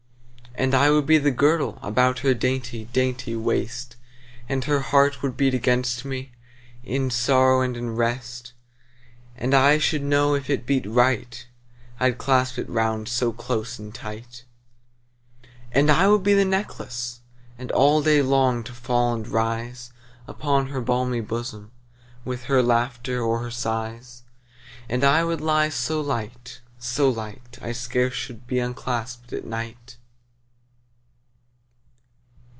And I would be the girdle About her dainty dainty waist, And her heart would beat against me, In sorrow and in rest: 10 And I should know if it beat right, I'd clasp it round so close and tight. And I would be the necklace, And all day long to fall and rise Upon her balmy bosom, 15 With her laughter or her sighs: And I would lie so light, so light, I scarce should be unclasp'd at night.